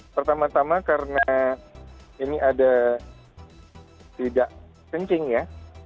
pertama tama karena ini ada tidak kencing ya